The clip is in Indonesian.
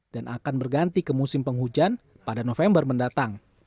dan akan berganti ke musim penghujan pada november mendatang